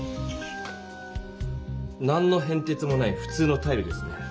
何のへんてつもないふ通のタイルですね。